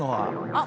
あっ！